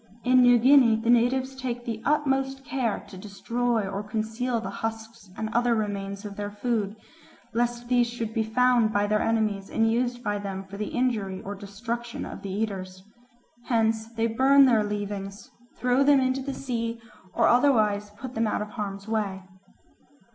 In New Guinea the natives take the utmost care to destroy or conceal the husks and other remains of their food, lest these should be found by their enemies and used by them for the injury or destruction of the eaters. Hence they burn their leavings, throw them into the sea, or otherwise put them out of harm's way.